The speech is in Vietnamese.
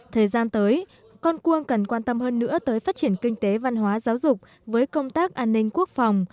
thời gian tới con cuông cần quan tâm hơn nữa tới phát triển kinh tế văn hóa giáo dục với công tác an ninh quốc phòng